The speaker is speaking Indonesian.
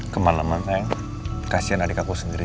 kemalaman saya kasihan adik aku sendiri